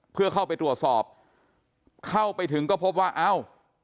เพื่อเข้าไปตรวจสอบเข้าไปถึงก็พบว่าเอ้า